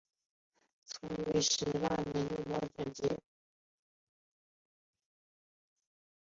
曾于道光十八年由中佑接任。